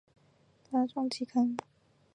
巴顿撞击坑